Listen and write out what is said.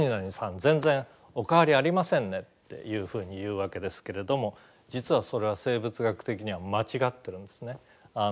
全然お変わりありませんね」っていうふうに言うわけですけれども実はそれは生物学的には間違ってるんですね。